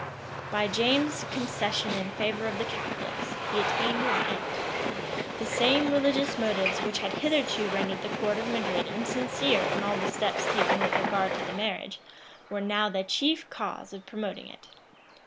By James's concession in favor of the Catholics, he attained his end. The same religious motives which had hitherto rendered the court of Madrid insincere in all the steps taken with regard to the marriage, were now the chief cause of promoting it.